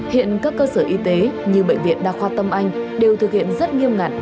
hiện các cơ sở y tế như bệnh viện đa khoa tâm anh đều thực hiện rất nghiêm ngặt